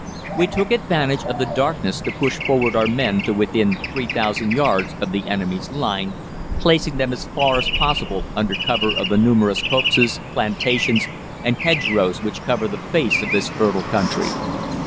We took advantage of the darkness to push forward our men to within three thousand yards of the enemy's line, placing them as far as possible under cover of the numerous copses, plantations, and hedgerows which cover the face of this fertile country.